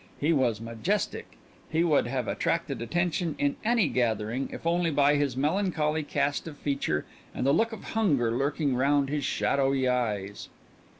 He was majestic. He would have attracted attention in any gathering, if only by his melancholy cast of feature and the look of hunger lurking round his shadowy eyes.